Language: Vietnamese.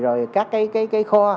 rồi các cái kho